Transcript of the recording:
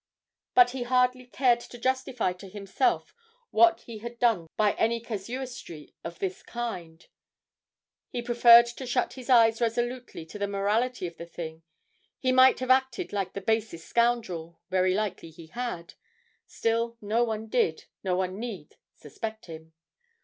But he hardly cared to justify to himself what he had done by any casuistry of this kind; he preferred to shut his eyes resolutely to the morality of the thing; he might have acted like the basest scoundrel, very likely he had. Still, no one did, no one need, suspect him.